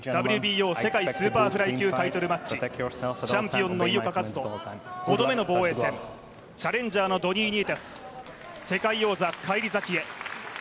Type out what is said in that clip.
ＷＢＯ世界スーパーフライ級タイトルマッチチャンピオンの井岡一翔５度目の防衛戦チャレンジャーのドニー・ニエテス世界王者返り咲きへ。